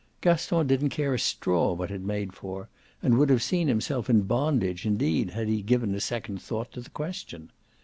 Gaston didn't care a straw what it made for, and would have seen himself in bondage indeed had he given a second thought to the question.